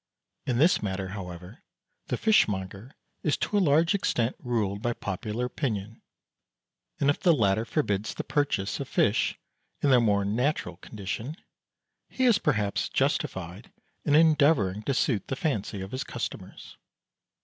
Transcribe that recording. In this matter, however, the fishmonger is to a large extent ruled by popular opinion, and if the latter forbids the purchase of fish in their more natural condition, he is perhaps justified in endeavouring to suit the fancy of his customers.